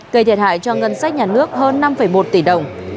gây thiệt hại cho ngân sách nhà nước hơn năm một tỷ đồng